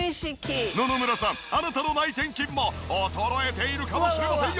野々村さんあなたの内転筋も衰えているかもしれませんよ。